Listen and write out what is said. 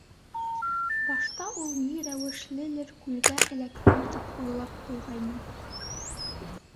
Башта ул ни рәүешлелер күлгә эләктем тип уйлап ҡуйғайны.